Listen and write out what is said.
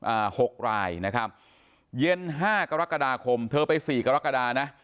หกรายนะครับเย็นห้ากรกฎาคมเธอไปสี่กรกฎานะ